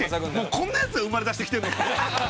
こんなヤツが生まれだしてきてるのか？